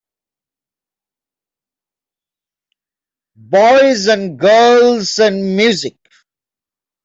Boys and girls and music.